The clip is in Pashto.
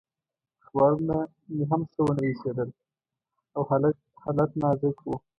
اخبارونه مې هم ښه ونه ایسېدل او حالت نازک و.